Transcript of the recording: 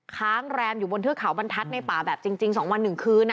ค้างแรมอยู่บนเทือกเขาบรรทัศน์ในป่าแบบจริง๒วัน๑คืน